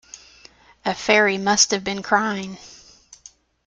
A fairy must have been crying.